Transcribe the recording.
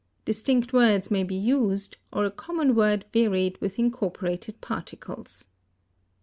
Distinct words may be used, or a common word varied with incorporated particles.